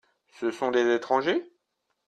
Ce sont des étrangers ?